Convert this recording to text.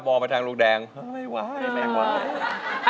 มองไปทางลูกแดงไม่ไหวไม่ไหว